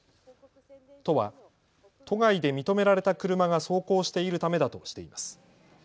都は都外で認められた車が走行しているためだとしています。